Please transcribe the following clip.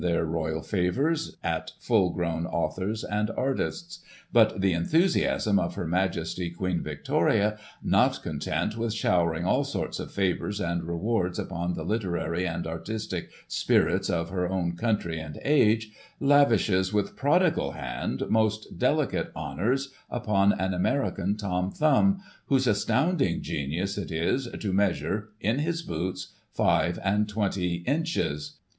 237 their Royal favours at full grown authors and artists ; but the enthusiasm of Her Majesty QUEEN VICTORIA, not content with showering all sorts of favours and rewards upon the literary and artistic spirits of her own country and age, lavishes, with prodigal hand, most delicate honours upon an American Tom Thumb, whose astounding genius it is, to measure, in his boots, five and twenty inches!